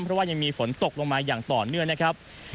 เพราะว่ายังมีฝนตกลงมาอย่างต่อเนื่องนะครับ